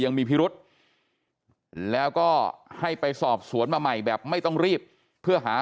ยังมีพิรุษแล้วก็ให้ไปสอบสวนมาใหม่แบบไม่ต้องรีบเพื่อหา